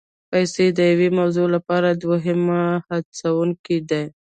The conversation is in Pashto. پیسې د یوې موضوع لپاره دوهمي هڅوونکي دي.